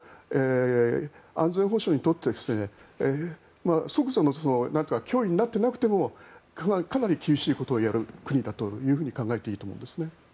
そのように、あまりイスラエルの安全保障にとって即座の脅威になっていなくてもかなり厳しいことをやる国だと考えていいと思うんですね。